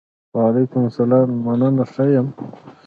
وعلیکم سلام! مننه ښۀ یم.